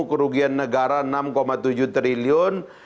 kerugian negara enam tujuh triliun